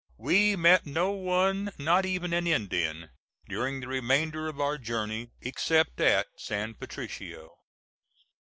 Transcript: We met no one not even an Indian during the remainder of our journey, except at San Patricio.